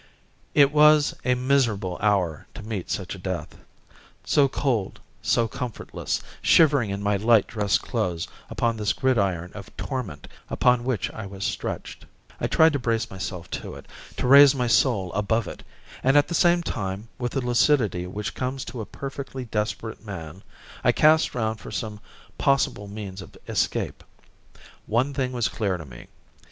It was a miserable hour to meet such a death so cold, so comfortless, shivering in my light dress clothes upon this gridiron of torment upon which I was stretched. I tried to brace myself to it, to raise my soul above it, and at the same time, with the lucidity which comes to a perfectly desperate man, I cast round for some possible means of escape. One thing was clear to me.